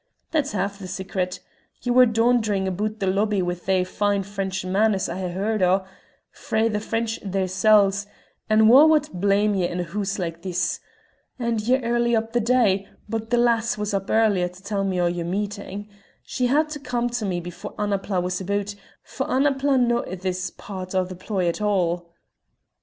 "That's half the secret. Ye were daunderin' aboot the lobby wi' thae fine French manners I hae heard o' frae the French theirsels and wha' wad blame ye in a hoose like this? And ye're early up the day, but the lass was up earlier to tell me o' your meeting. She had to come to me before Annapla was aboot, for Annapla's no' in this part o' the ploy at all."